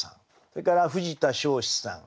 それから藤田湘子さん。